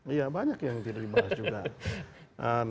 iya banyak yang tidak dibahas juga